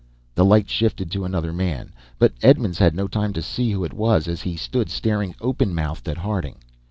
The light shifted to another man, but Edmonds had no time to see who it was as he stood staring open mouthed at Harding.